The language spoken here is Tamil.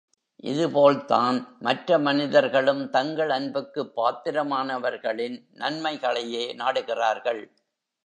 இது போல்தான் மற்ற மனிதர்களும் தங்கள் அன்புக்குப் பாத்திரமானவர்களின் நன்மைகளையே நாடுகிறார்கள்.